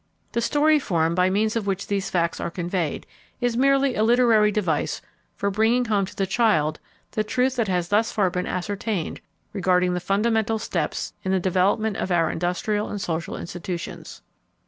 The story form by means of which these facts are conveyed is merely a literary device for bringing home to the child the truth that has thus far been ascertained regarding the fundamental steps in the development of our industrial and social institutions.